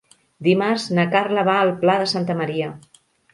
Dimarts na Carla va al Pla de Santa Maria.